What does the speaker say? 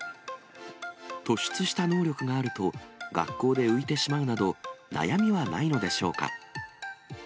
突出した能力があると学校で浮いてしまうなど、悩みはないのでしょうか。